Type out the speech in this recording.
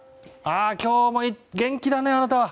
今日も元気だね、あなた！